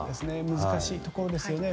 難しいところですよね